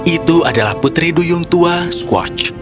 itu adalah putri duyung tua squatch